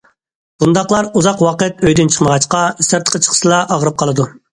بۇنداقلار ئۇزاق ۋاقىت ئۆيدىن چىقمىغاچقا، سىرتقا چىقسىلا ئاغرىپ قالىدۇ.